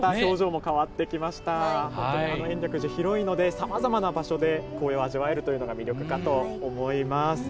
とっても延暦寺、広いのでさまざまな場所で紅葉を味わえるというのが魅力かと思います。